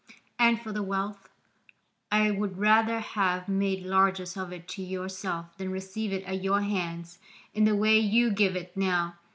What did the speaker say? And for the wealth, I would rather have made largess of it to yourself than receive it at your hands in the way you give it now.